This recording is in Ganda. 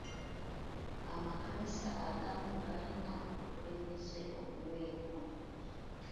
Amakanisa agamu galina obukulembeze obunyweevu.